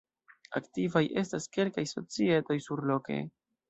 Aktivaj estas kelkaj societoj surloke.